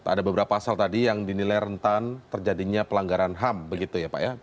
ada beberapa pasal tadi yang dinilai rentan terjadinya pelanggaran ham begitu ya pak ya